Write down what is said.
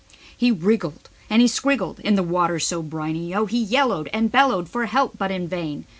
He wriggled and scriggled in the water, so briny O. He yellowed and bellowed for help but in vain.